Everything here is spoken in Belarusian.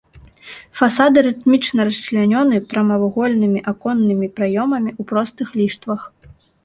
Фасады рытмічна расчлянёны прамавугольнымі аконнымі праёмамі ў простых ліштвах.